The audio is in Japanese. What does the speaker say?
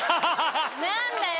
何だよ！